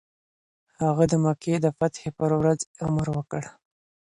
هغه د مکې د فتحې پر ورځ امر وکړ.